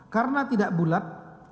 karena tidak bulat